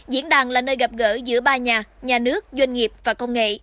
diễn đàn là nơi gặp gỡ giữa ba nhà nhà nước doanh nghiệp và công nghệ